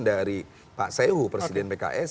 dari pak sewu presiden pks